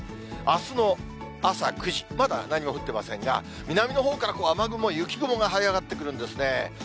あすの朝９時、まだ何も降ってませんが、南のほうから雨雲、雪雲がはい上がってくるんですね。